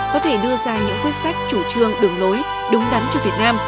có thể đưa ra những quyết sách chủ trương đường lối đúng đắn cho việt nam